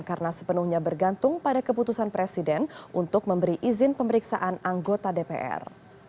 karena sepenuhnya bergantung pada keputusan presiden untuk memberi izin pemeriksaan anggota dpr